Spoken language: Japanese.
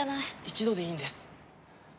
一度でいいんです。